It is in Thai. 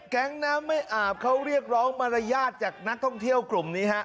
แก๊งน้ำไม่อาบเขาเรียกร้องมารยาทจากนักท่องเที่ยวกลุ่มนี้ฮะ